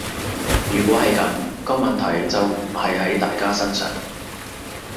如果係噉，個問題就唔係喺大家身上